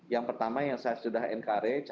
yang pertama yang saya sudah encourage